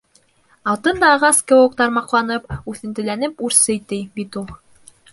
Алтын да ағас кеүек тармаҡланып, үҫентеләнеп үрсей, ти, бит ул...